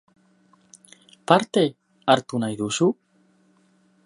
Parte hartu nahi duzu?